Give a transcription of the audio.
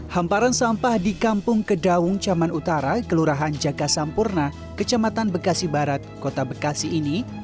hamparan sampah di kampung kedaung caman utara kelurahan jaga sampurna kecamatan bekasi barat kota bekasi ini